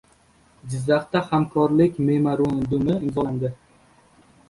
Jizzaxda hamkorlik memorandumi imzolandi